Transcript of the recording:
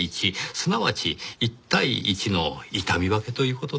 すなわち１対１の痛み分けという事では。